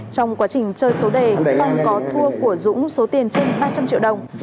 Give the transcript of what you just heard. trong quá trình chơi số đề phong có thua của dũng số tiền trên ba trăm linh triệu đồng